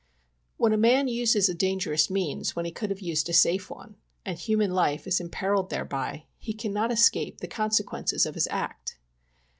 When a man uses a dangerous means when he could have used a safe one, and human life is imperilled thereby, he cannot escape the consequences of his act.